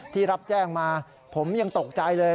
รับแจ้งมาผมยังตกใจเลย